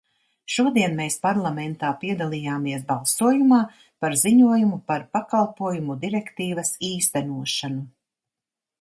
Šodien mēs Parlamentā piedalījāmies balsojumā par ziņojumu par Pakalpojumu direktīvas īstenošanu.